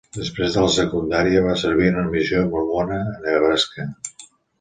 Després de la secundària, va servir en una missió mormona a Nebraska.